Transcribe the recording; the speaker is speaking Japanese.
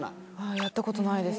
やったことないです。